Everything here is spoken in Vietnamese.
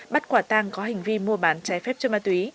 bắt quả tàng có hình vi mua bán trái phép cho ma túy